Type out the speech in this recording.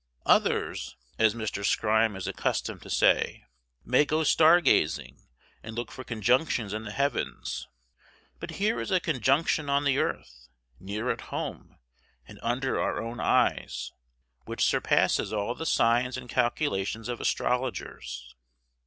"Others," as Mr. Skryme is accustomed to say, "may go star gazing, and look for conjunctions in the heavens, but here is a conjunction on the earth, near at home and under our own eyes, which surpasses all the signs and calculations of astrologers."